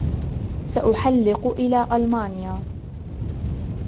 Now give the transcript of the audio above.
سأُحَلِق إلى المانيا.